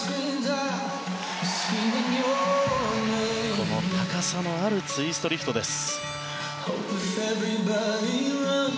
この高さのあるツイストリフトです。